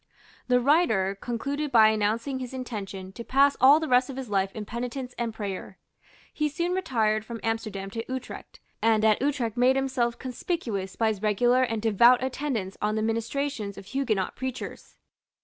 The writer concluded by announcing his intention to pass all the rest of his life in penitence and prayer. He soon retired from Amsterdam to Utrecht, and at Utrecht made himself conspicuous by his regular and devout attendance on the ministrations of Huguenot preachers.